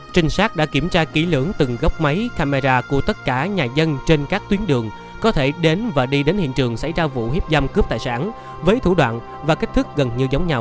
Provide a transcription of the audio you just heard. trinh sát đã kiểm tra kỹ lưỡng từng góc máy camera của tất cả nhà dân trên các tuyến đường có thể đến và đi đến hiện trường xảy ra vụ hiếp dâm cướp tài sản với thủ đoạn và cách thức gần như giống nhau